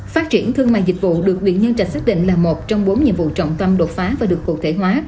phát triển thương mại dịch vụ được huyện nhân trạch xác định là một trong bốn nhiệm vụ trọng tâm đột phá và được cụ thể hóa